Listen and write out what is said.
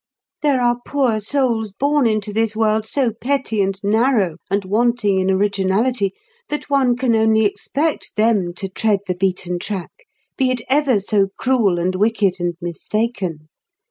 There are poor souls born into this world so petty and narrow and wanting in originality that one can only expect them to tread the beaten track, be it ever so cruel and wicked and mistaken.